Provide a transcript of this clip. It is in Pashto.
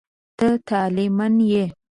ته طالع من یې.